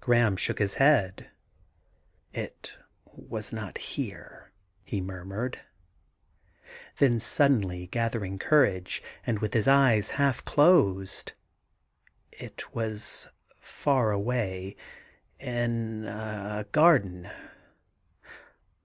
Graham shook his head. 'It was not here,' he murmured. Then suddenly gathering courage, and with his eyes half closed :* It was far away ... in a garden